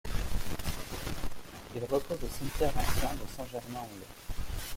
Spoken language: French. Il repose au cimetière ancien de Saint-Germain-en-Laye.